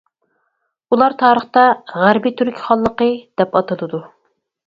ئۇلار تارىختا «غەربىي تۈرك خانلىقى» دەپ ئاتىلىدۇ.